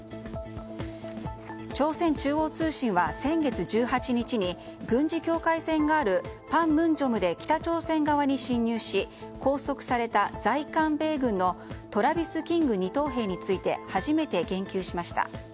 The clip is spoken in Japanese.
朝鮮中央通信は先月１８日に軍事境界線があるパンムンジョムで北朝鮮側に侵入し、拘束された在韓米軍のトラビス・キング二等兵について初めて言及しました。